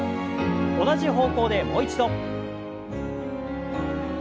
同じ方向でもう一度。